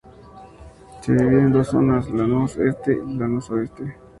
Se divide en dos zonas: Lanús Este y Lanús Oeste.